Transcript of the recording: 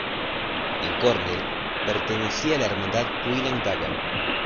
En Cornell, pertenecía a la hermandad Quill and Dagger.